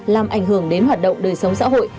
làm ảnh hưởng đến hoạt động đời sống xã hội